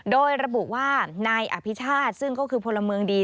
โดยระบุว่านายอภิชาติซึ่งก็คือพลเมืองดี